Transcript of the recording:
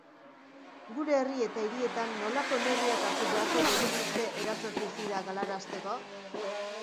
Gure herri eta hirietan nolako neurriak hartu beharko genituzke eraso suizidak galarazteko?